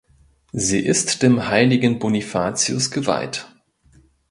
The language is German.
Sie ist dem Heiligen Bonifatius geweiht.